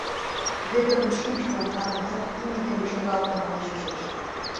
Вӧдырын шӱмжылан адакат име дене шуралтымыла чучеш.